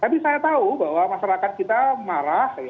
tapi saya tahu bahwa masyarakat kita marah